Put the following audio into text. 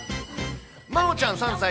まおちゃん３歳。